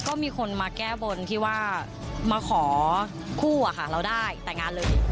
ก็มีคนมาแก้บนที่ว่ามาขอคู่อะค่ะเราได้แต่งงานเลย